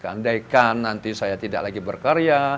andaikan nanti saya tidak lagi berkarya